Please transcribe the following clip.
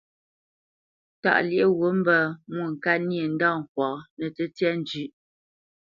Tâʼ lyéʼ wût mbə́ Mwôŋkát nyê ndâ ŋkwǎ nə́ tə́tyā njʉ̌ʼ.